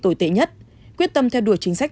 tồi tệ nhất quyết tâm theo đuổi chính sách